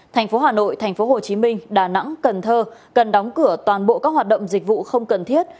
thành phố hà nội thành phố hồ chí minh đà nẵng cần thơ cần đóng cửa toàn bộ các hoạt động dịch vụ không cần thiết